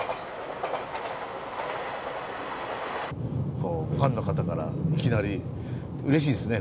こうファンの方からいきなりうれしいですね